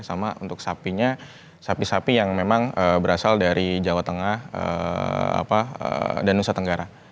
sama untuk sapinya sapi sapi yang memang berasal dari jawa tengah dan nusa tenggara